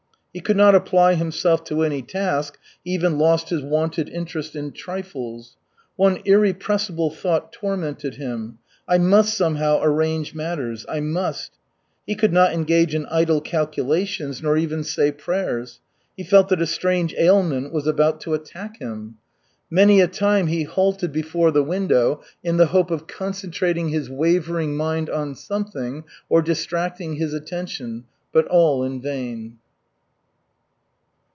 He could not apply himself to any task, he even lost his wonted interest in trifles. One irrepressible thought tormented him: "I must somehow arrange matters, I must." He could not engage in idle calculations, nor even say prayers. He felt that a strange ailment was about to attack him. Many a time he halted before the window in the hope of concentrating his wavering mind on something, or distracting his attention, but all in vain.